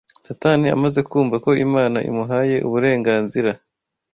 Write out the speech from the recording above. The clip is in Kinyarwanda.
Satani amaze kumva ko Imana imuhaye uburenganzira